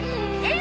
え！